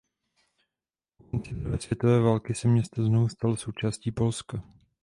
Po konci druhé světové války se město znovu stalo součástí Polska.